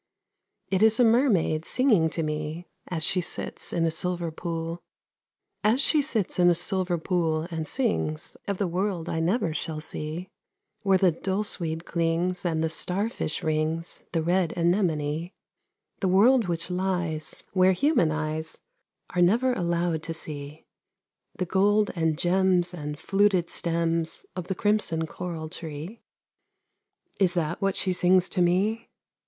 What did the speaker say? It is a mermaid singing to me As she sits in a silver pool. As she sits in a silver pool and sings Of the world I never shall see, Where the dulse weed clings, And the star fish rings The red anemone; The world which lies Where human eyes Are never allowed to see The gold and gems And fluted stems Of the crimson coral tree Is that what she sings to me?